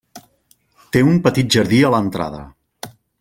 Té un petit jardí a l'entrada.